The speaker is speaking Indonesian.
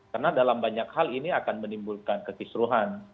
karena dalam banyak hal ini akan menimbulkan kekisruhan